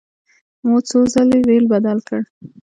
مو څو ځلې ریل بدل کړ.